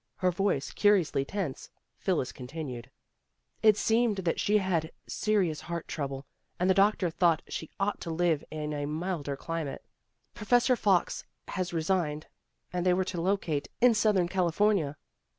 Her voice curiously tense, Phyllis continued. "It seemed she had serious heart trouble, and the doctor thought she ought to live in a milder climate. Professor Fox has resigned, and they were to locate in southern California.